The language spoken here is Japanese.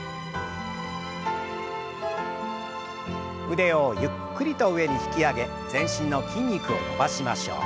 腕をゆっくりと上に引き上げ全身の筋肉を伸ばしましょう。